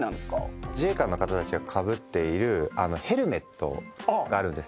自衛官の方たちがかぶっているヘルメットがあるんですね。